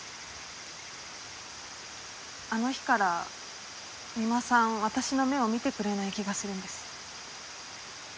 あの日から三馬さん私の目を見てくれない気がするんです。